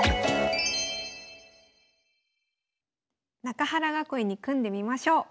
中原囲いに組んでみましょう。